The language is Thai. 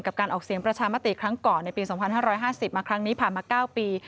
การออกเสียงประชามติครั้งก่อนในปี๒๕๕๐มาครั้งนี้ผ่านมา๙ปี